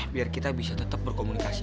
biar kita bisa tetap berkomunikasi